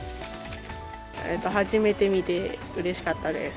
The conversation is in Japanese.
初めて見て、うれしかったです。